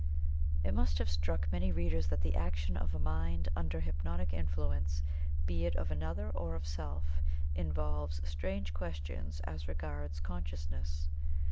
It must have struck many readers that the action of a mind under hypnotic influence, be it of another or of self, involves strange questions as regards Consciousness.